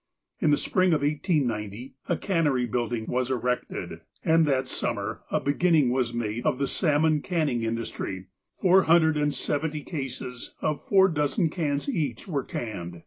In the Spring of 1890, a cannery building was erected, and that Summer a beginning was made of the salmon canning iudustiy : four hundred and seventy cases, of four dozen cans each, were canned.